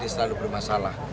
apbd selalu bermasalah